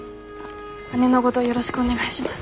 姉のごどよろしくお願いします。